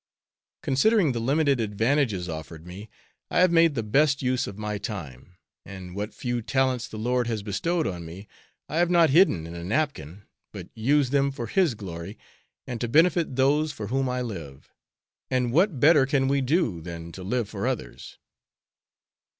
Considering the limited advantages offered me, I have made the best use of my time, and what few talents the Lord has bestowed on me I have not "hidden in a napkin," but used them for His glory and to benefit those for whom I live. And what better can we do than to live for others?